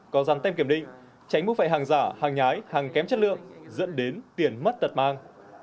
có dàn tem kiểm định tránh bức phải hàng giả hàng nhái hàng kém chất lượng dẫn đến tiền mất đặt mang